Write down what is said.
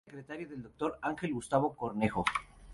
Fue secretario del doctor Ángel Gustavo Cornejo.